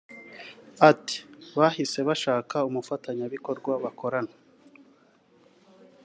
Ati “Bahise bashaka umufatanyabikorwa bakorana